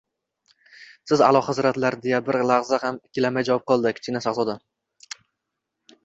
— Siz, a’lo hazratlari, — deya bir lahza ham ikkilanmay javob qildi Kichkina shahzoda.